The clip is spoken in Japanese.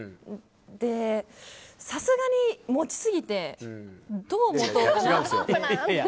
で、さすがに持ちすぎてどう持とうかなって。